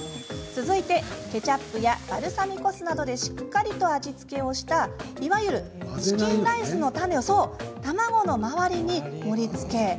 続いてケチャップやバルサミコ酢などでしっかりと味付けをしたいわゆるチキンライスのタネを卵の周りに盛りつけ。